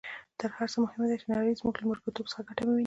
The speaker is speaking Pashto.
تر هر څه مهمه ده چې نړۍ زموږ له ملګرتوب څخه ګټه وویني.